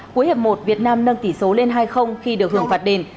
cuối hiệp một việt nam nâng tỷ số lên hai khi được hưởng phạt đền